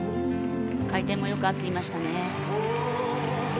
回転もよく合っていましたね。